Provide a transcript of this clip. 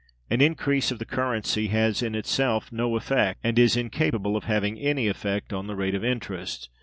An increase of the currency has in itself no effect, and is incapable of having any effect, on the rate of interest.